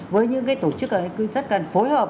với những tổ chức rất cần phối hợp